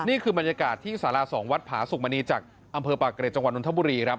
นี่คือบรรยากาศที่สารา๒วัดผาสุกมณีจากอำเภอปากเกร็จจังหวัดนทบุรีครับ